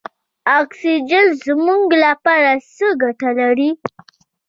اکسیجن زموږ لپاره څه ګټه لري.